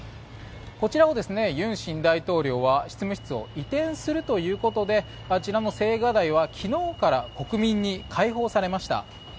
こちらを尹新大統領は執務室を移転するということであちらの青瓦台は昨日から国民に開放されました。